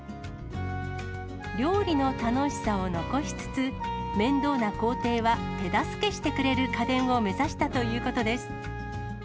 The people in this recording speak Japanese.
料理の楽しさを残しつつ、面倒な工程は手助けしてくれる家電を目指したということです。